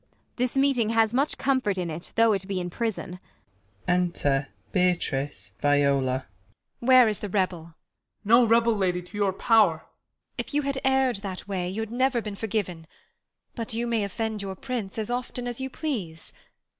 This meeting has much com fort In it though it be in prison. Enter Beatrice, Viola. Beat. Where is the rebel 1 Ben. No rebel, lady, to your pow'r. Beat. If you had err'd that way y'had never been Forgiven ; but you may offend your Prince As often as you please.